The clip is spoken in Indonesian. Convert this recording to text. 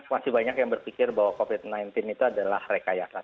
masih banyak yang berpikir bahwa covid sembilan belas itu adalah rekayasa